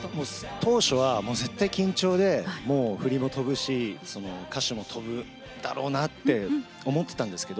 当初は、絶対緊張で振りも飛ぶし歌詞も飛ぶだろうなって思ってたんですけど